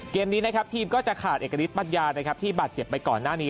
เกมนี้นะครับทีมก็จะขาดเอกฤทธปัญญานะครับที่บาดเจ็บไปก่อนหน้านี้